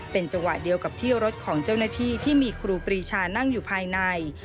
เป็นจังหวะเดียวกับที่รถของเจ้าหน้าที่ที่มีครูปรีชานั่งอยู่ภายใน